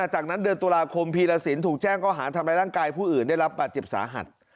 จากนั้นเดือนตุลาคมพีรสินถูกแจ้งก็หาทำร้ายร่างกายผู้อื่นได้รับบาดเจ็บสาหัส